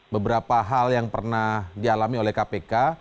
beberapa hal yang pernah dialami oleh kpk